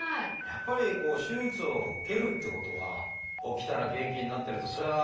やっぱり手術を受けるってことは起きたら元気になってるとそりゃあ